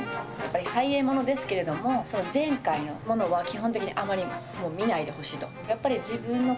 再演ものですけれども、前回のものは基本的にあまりもう見ないでほしいと。